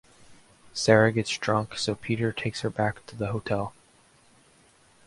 Sarah gets drunk so Peter takes her back to the hotel.